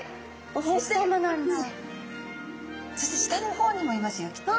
そして下の方にもいますよきっと。